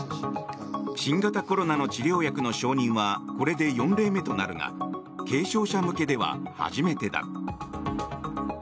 新型コロナの治療薬の承認はこれで４例目となるが軽症者向けでは初めてだ。